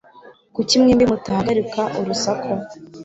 Kuki mwembi mutahagarika urusaku